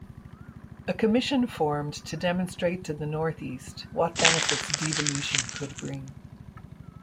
A commission formed to demonstrate to the North East what benefits devolution could bring.